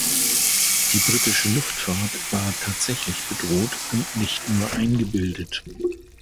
Die britische Luftfahrt war tatsächlich bedroht und nicht nur eingebildet.